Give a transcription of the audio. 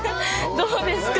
どうですか？